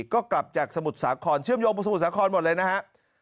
ก็กลับจากสมุทรสาครเชื่อมโยงไปสมุทรสาครหมดเลยนะครับ